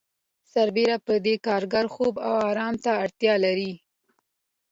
سربېره پر دې کارګر خوب او آرامتیا ته اړتیا لري